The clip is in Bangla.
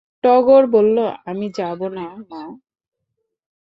টগর বলল, আমি যাব না, মা।